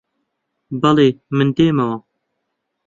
بەڵێ، من دێمەوە